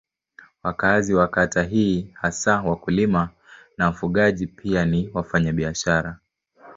Wakazi wa kata hii ni hasa wakulima na wafugaji pia ni wafanyabiashara.